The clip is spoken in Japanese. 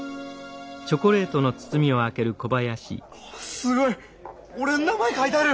すごい俺の名前書いてある！